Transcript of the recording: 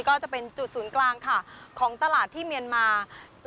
ก็จะเป็นจุดศูนย์กลางค่ะของตลาดที่เมียนมา